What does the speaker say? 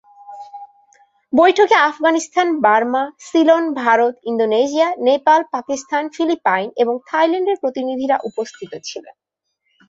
বৈঠকে Afghanistan, Burma, Ceylon, Bharat, Indonesia, Nepal, Pakistan, Philippine এবং থাইল্যান্ডের প্রতিনিধিরা উপস্থিত ছিলেন।